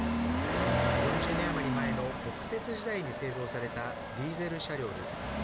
４０年余り前の国鉄時代に製造されたディーゼル車両です。